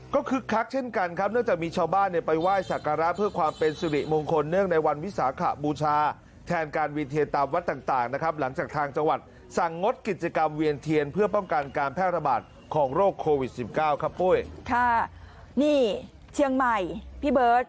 ก็คลึกคลักเช่นกันนะครับเนื่องจากมีชาวบ้านในไปไหว้สากราภ